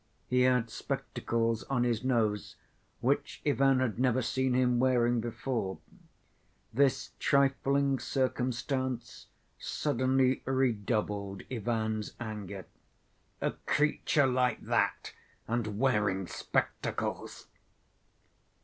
He had spectacles on his nose, which Ivan had never seen him wearing before. This trifling circumstance suddenly redoubled Ivan's anger: "A creature like that and wearing spectacles!"